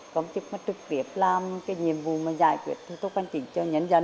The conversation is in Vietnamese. công chức trực tiếp làm nhiệm vụ giải quyết thu thúc quan trình cho nhân dân